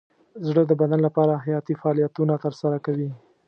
زړه د بدن لپاره حیاتي فعالیتونه ترسره کوي.